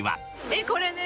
えっこれね